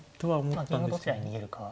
銀をどちらに逃げるか。